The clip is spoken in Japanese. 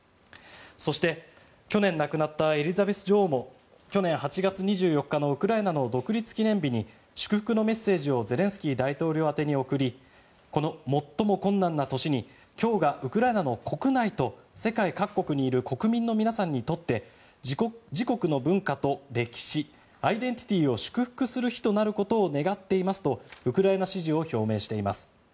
そして、去年亡くなったエリザベス女王も去年８月２４日のウクライナの独立記念日に祝福のメッセージをゼレンスキー大統領宛てに送りこの最も困難な年に今日がウクライナの国内と世界各国にいる国民の皆さんにとって自国の文化と歴史アイデンティティーを祝福する日となることを願っていますとウクライナ支持を表明しています。